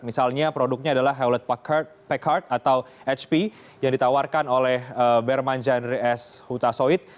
misalnya produknya adalah hewlett packard atau hp yang ditawarkan oleh berman janries hutasoit